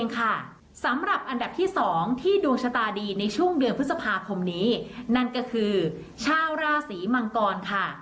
ของที่ดวงชะตาดีในช่วงเดือนพฤษภาคมนี้นั่นก็คือชาวราศรีมังกรค่ะ